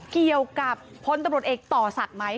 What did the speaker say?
เกี่ยวกับพลตำรวจเอกต่อศักดิ์ไหม